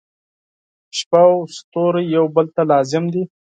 • شپه او ستوري یو بل ته لازم دي.